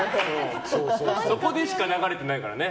そこでしか流れてないからね。